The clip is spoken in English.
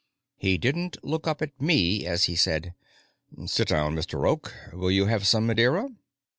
He didn't look up at me as he said: "Sit down, Mr. Oak. Will you have some Madeira?"